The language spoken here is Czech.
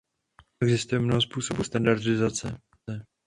Existuje mnoho způsobů standardizace.